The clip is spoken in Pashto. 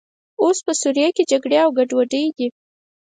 اوس سوریه کې جګړې او ګډوډۍ دي.